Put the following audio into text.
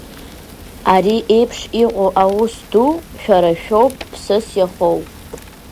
Ари еиԥш иҟоу аус ду шәара шәоуп ԥсыс иахоу!